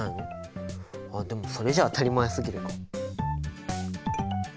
あでもそれじゃあ当たり前すぎるか。